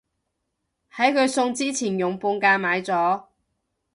喺佢送之前用半價買咗